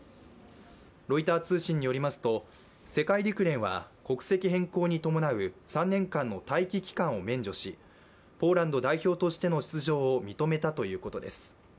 ロイター通信によりますと世界陸連は国籍変更に伴う３年間の待機期間を免除し、ポーランド代表としての出場を認めたということです。